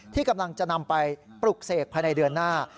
ที่กำลังจะนำไปปลุกเสกภายในเดือนหน้า